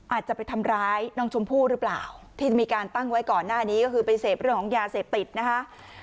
อาจจะไปทำร้ายน้องชมพู่หรือเปล่าที่มีการตั้งไว้ก่อนหน้านี้ก็คือไปเสพเรื่องของยาเสพติดนะคะ